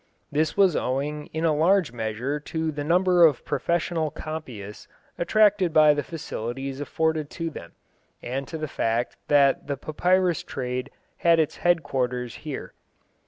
This was owing in a large measure to the number of professional copyists attracted by the facilities afforded to them, and to the fact that the papyrus trade had its headquarters here.